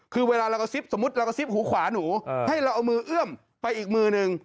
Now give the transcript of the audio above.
คือเวลาเรากระซิบสมมุติเรากระซิบหูขวาหนูให้เราเอามือเอื้อมไปอีกมือหนึ่ง